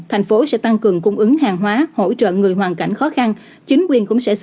thành phố sẽ tăng cường cung ứng hàng hóa hỗ trợ người hoàn cảnh khó khăn